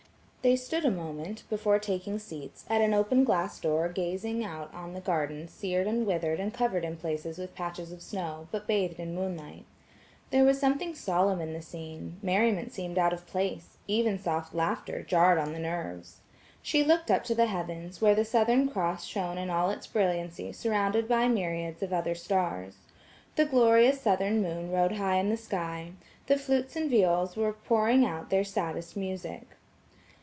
They stood a moment, before taking seats, at an open glass door gazing out on the gardens sered and withered and covered in places with patches of snow, but bathed in moonlight. There was something solemn in the scene, merriment seemed out of place; even soft laughter jarred on the nerves. See looked up to the heavens, where the Southern cross shone in all its brilliancy surrounded by myriads of other stars. The glorious Southern moon rode high in the sky. The flutes and viols were pouring out their maddest music.